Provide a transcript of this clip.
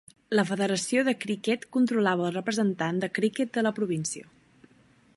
La Federació de Criquet controlava al representant de criquet de la província.